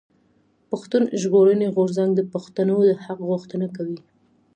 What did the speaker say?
پښتون ژغورنې غورځنګ د پښتنو د حق غوښتنه کوي.